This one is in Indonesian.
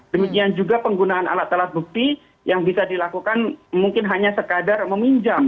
demikian juga penggunaan alat alat bukti yang bisa dilakukan mungkin hanya sekadar meminjam